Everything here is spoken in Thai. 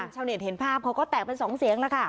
ชาวเน็ตเห็นภาพเขาก็แตกเป็นสองเสียงแล้วค่ะ